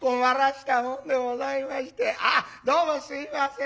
どうもすいません。